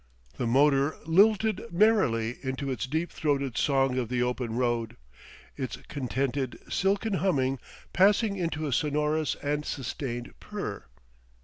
The motor lilted merrily into its deep throated song of the open road, its contented, silken humming passing into a sonorous and sustained purr.